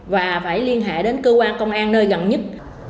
và phải liên hệ đến cơ quan công an nơi gần nhất